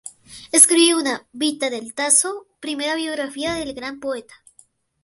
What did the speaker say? Escribió una "Vita del Tasso", primera biografía del gran poeta.